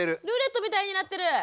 ルーレットみたいになってる。